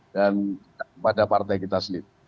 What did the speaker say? dan kepada partai kita sendiri